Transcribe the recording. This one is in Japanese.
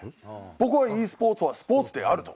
僕はｅスポーツはスポーツであると思う。